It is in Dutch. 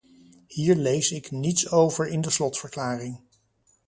Hier lees ik niets over in de slotverklaring.